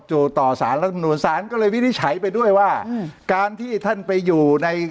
ต่อสารรัฐมนุนศาลก็เลยวินิจฉัยไปด้วยว่าการที่ท่านไปอยู่ใน